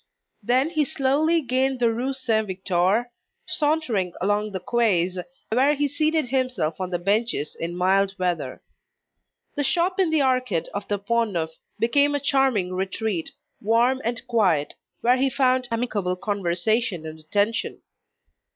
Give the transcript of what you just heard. Then he slowly gained the Rue Saint Victor, sauntering along the quays, where he seated himself on the benches, in mild weather. The shop in the Arcade of the Pont Neuf became a charming retreat, warm and quiet, where he found amicable conversation and attention.